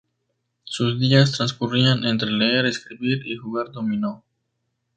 Sus días transcurrían entre leer, escribir y jugar dominó.